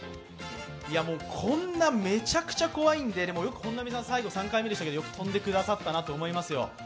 こんなめちゃくちゃ怖いんでね、よく本並さん、最後、３回目でしたけどよく飛んでくれましたよ。